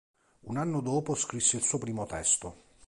Un anno dopo scrisse il suo primo testo.